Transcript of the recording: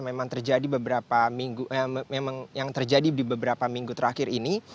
memang terjadi beberapa minggu memang yang terjadi di beberapa minggu terakhir ini